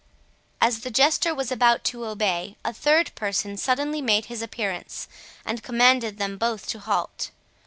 As the Jester was about to obey, a third person suddenly made his appearance, and commanded them both to halt.